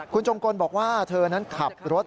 คุณจงกลบอกว่าเธอนั้นขับรถ